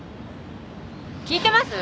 聞いてます？